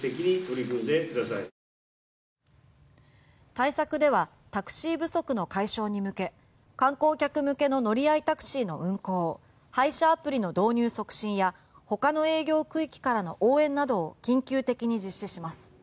対策ではタクシー不足の解消に向け観光客向けの乗り合いタクシーの運行配車アプリの導入促進や他の営業区域からの応援などを緊急的に実施します。